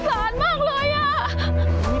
เฮ่ยนั่นมัน